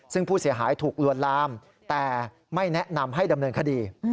ซึ่งผู้เสียหายถูกลวนลามแต่ไม่แนะนำให้ดำเนินคดี